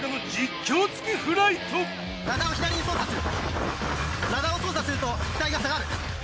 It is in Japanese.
ラダーを操作すると機体が下がる。